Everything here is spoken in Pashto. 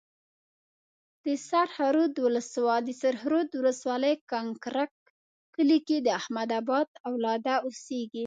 د سرخ رود ولسوالۍ کنکرک کلي کې د احمدآبا اولاده اوسيږي.